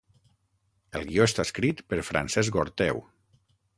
El guió està escrit per Francesc Orteu.